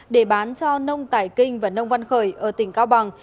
để bán cho nông tài kinh và nông văn khởi ở tỉnh cao bằng